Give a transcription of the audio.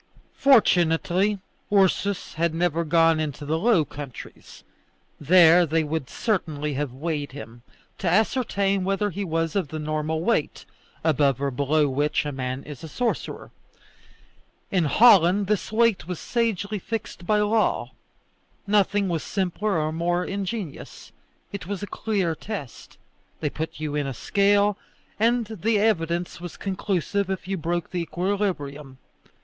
Fortunately Ursus had never gone into the Low Countries; there they would certainly have weighed him, to ascertain whether he was of the normal weight, above or below which a man is a sorcerer. In Holland this weight was sagely fixed by law. Nothing was simpler or more ingenious. It was a clear test. They put you in a scale, and the evidence was conclusive if you broke the equilibrium.